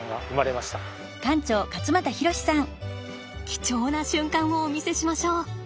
貴重な瞬間をお見せしましょう。